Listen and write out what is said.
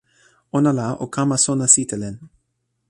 ona la o kama sona sitelen.